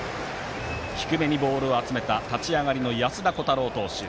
低めにボールを集めた立ち上がりの安田虎汰郎投手。